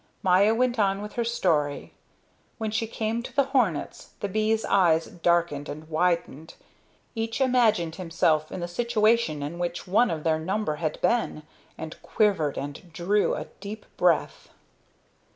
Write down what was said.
Maya went on with her story. When she came to the hornets, the bees' eyes darkened and widened. Each imagined himself in the situation in which one of their number had been, and quivered, and drew a deep breath.